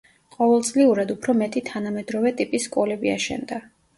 ყოველწლიურად უფრო მეტი თანამედროვე ტიპის სკოლები აშენდა.